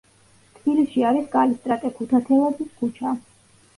თბილისში არის კალისტრატე ქუთათელაძის ქუჩა.